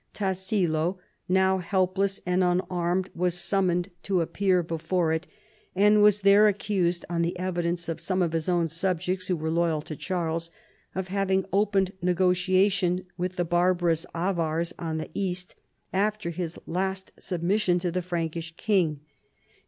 Tassilo, now help less and unarmed, was summoned to appear before REVOIiTS AND CONSPIRACIES. ISl it, and was there accused, on the evidence of some of his own subjects who were loyal to Charles, of having opened negotiations with the barbarous Avars on the east after his last submission to the Frankish king.